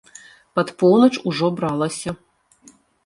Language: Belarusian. Пад поўнач ужо бралася.